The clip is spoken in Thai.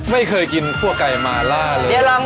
ไม่เคยกินคั่วไก่มาล่าเลย